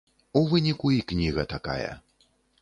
У выніку і кніга такая.